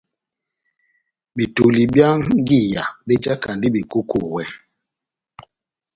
Betoli byá njiya bejakandi bekokowɛ.